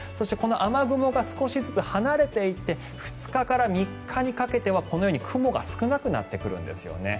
雨雲が少しずつ離れていって２日から３日にかけてはこのように雲が少なくなってくるんですよね。